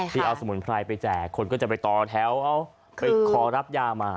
ที่เอาสมุนไพรไปแจกคนก็จะไปต่อแถวเอาไปขอรับยามา